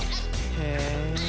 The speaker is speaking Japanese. へえ。